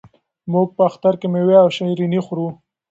موږ په اختر کې مېوې او شیریني خورو.